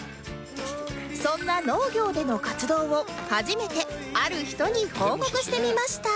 そんな農業での活動を初めてある人に報告してみました